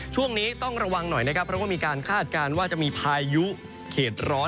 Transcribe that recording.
ช่วงนี้ต้องระวังหน่อยนะครับเพราะว่ามีการคาดการณ์ว่าจะมีพายุเขตร้อน